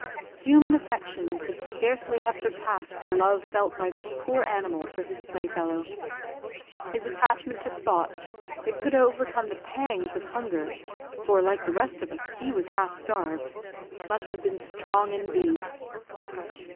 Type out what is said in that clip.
Human affection could scarcely have surpassed the love felt by this poor animal for his playfellow. His attachment to Spot, that could overcome the pangs of hunger for, like the rest of us, he was half starved must have been strong indeed.